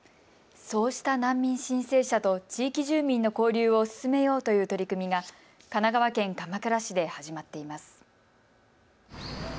そうした難民申請者と地域住民の交流を進めようという取り組みが神奈川県鎌倉市で始まっています。